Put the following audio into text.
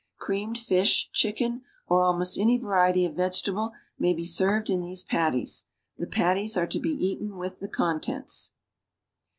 Creamed fish, chicken, or almost any variety of vegetable may be ser\'ed in these patties; the patties are to be eaten with the contents.